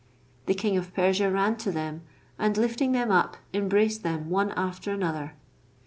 The king of Persia ran to them, and lifting them up, embraced them one after another.